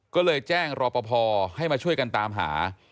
ก็เลยแจ้งรอปภให้มาช่วยกันตามหา